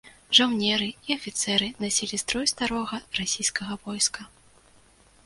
Жаўнеры і афіцэры насілі строй старога расійскага войска.